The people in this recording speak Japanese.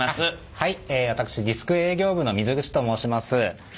はい私ディスク営業部の水口と申します。